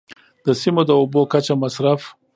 د سیمو د اوبو کچه، مصرف.